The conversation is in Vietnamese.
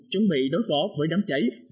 bốn chuẩn bị đối phó với đám cháy